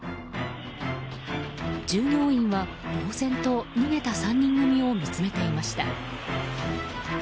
従業員はぼうぜんと逃げた３人組を見つめていました。